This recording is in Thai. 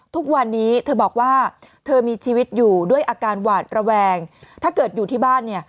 ทุกวันนี้เธอบอกว่าเธอมีชีวิตอยู่ด้วยอาการหวาดระแวงถ้าเกิดอยู่ที่บ้านเนี่ย